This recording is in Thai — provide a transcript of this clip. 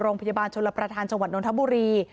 โรงพยาบาลชลประธานจังหวัดนทบุรี